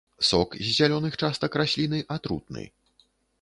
Сок з зялёных частак расліны атрутны.